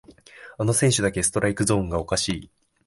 あの選手だけストライクゾーンがおかしい